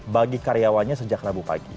bagi karyawannya sejak rabu pagi